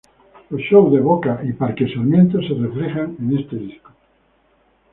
Los shows de Boca y Parque Sarmiento se reflejan en este disco.